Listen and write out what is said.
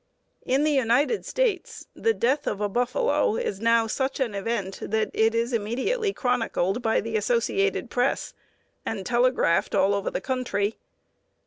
In the United States the death of a buffalo is now such an event that it is immediately chronicled by the Associated Press and telegraphed all over the country.